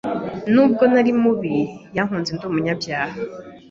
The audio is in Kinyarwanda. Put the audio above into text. n’ubwo nari mubi. Yankunze ndi umunyabyaha,